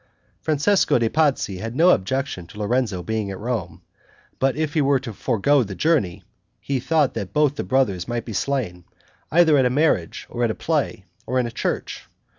Francesco de' Pazzi had no objection to Lorenzo being at Rome, but if he were to forego the journey, he thought that both the brothers might be slain, either at a marriage, or at a play, or in a church.